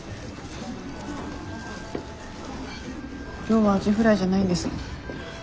今日はアジフライじゃないんですね。